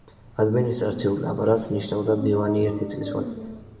ადმინისტრაციულ აპარატს ნიშნავდა მდივანი ერთი წლის ვადით.